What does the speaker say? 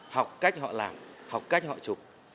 học cách họ làm học cách họ chụp